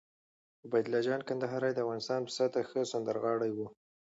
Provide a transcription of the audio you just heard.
عبیدالله جان کندهاری د افغانستان په سطحه ښه سندرغاړی وو